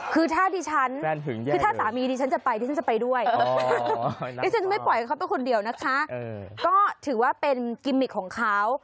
คือถ้าสามีดิวิชันจะไปดิฉันจะไปด้วยไม่ปล่อยเขาเป็นคนเดียวนะคะก็ถือว่าเป็นกิมมิคของเขา